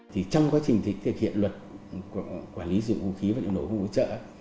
thì trong quá trình thực hiện luật quản lý sử dụng vũ khí và liệu nổ công cụ hỗ trợ